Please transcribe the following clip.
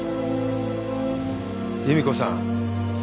夕美子さん。